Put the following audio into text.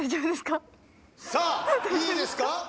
さあいいですか？